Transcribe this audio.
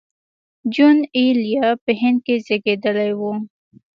جون ایلیا په هند کې زېږېدلی و